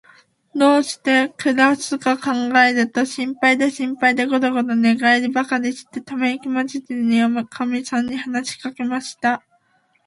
どうしてくらすかかんがえると、心配で心配で、ごろごろ寝がえりばかりして、ためいきまじりに、おかみさんに話しかけました。